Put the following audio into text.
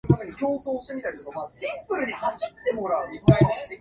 旅行を計画しました。